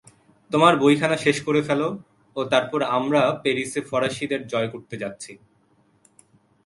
তোমার বইখানা শেষ করে ফেল ও তারপর আমরা প্যারিসে ফরাসীদের জয় করতে যাচ্ছি।